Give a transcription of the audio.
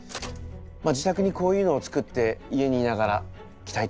自宅にこういうのを作って家にいながら鍛えていました。